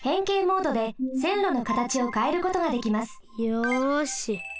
よし。